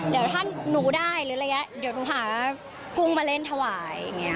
เดี๋ยวถ้าหนูได้หรืออะไรแหละเดี๋ยวหนูหากุ้งมาเล่นถวาย